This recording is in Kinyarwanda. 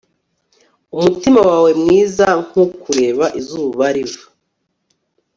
umutima wawe mwiza nkukureba izuba riva